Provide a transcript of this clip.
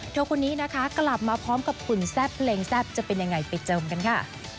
คนนี้นะคะกลับมาพร้อมกับหุ่นแซ่บเพลงแซ่บจะเป็นยังไงไปเจิมกันค่ะ